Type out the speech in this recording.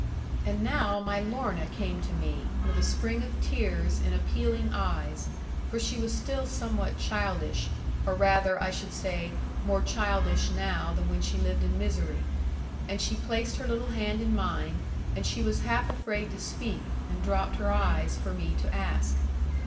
And now my Lorna came to me, with a spring of tears in appealing eyes for she was still somewhat childish, or rather, I should say, more childish now than when she lived in misery and she placed her little hand in mine, and she was half afraid to speak, and dropped her eyes for me to ask.